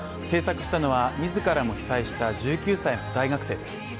制作したのは自らも被災した１９歳の大学生です